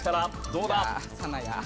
どうだ？